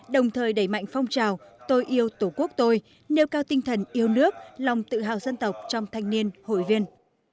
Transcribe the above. đồng thời đẩy mạnh phong trào tôi yêu tổ quốc tôi nêu cao tinh thần yêu nước lòng tự hào dân tộc trong thanh niên hội viên